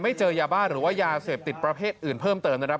เจอยาบ้าหรือว่ายาเสพติดประเภทอื่นเพิ่มเติมนะครับ